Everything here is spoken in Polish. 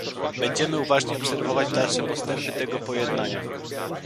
Będziemy uważnie obserwować dalsze postępy tego pojednania